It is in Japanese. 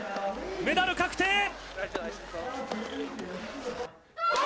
メダル確定！